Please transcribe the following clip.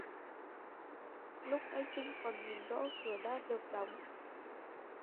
Lúc nãy trinh còn nhìn rõ ràng cửa đã được đóng